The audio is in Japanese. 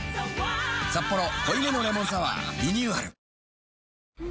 「サッポロ濃いめのレモンサワー」リニューアル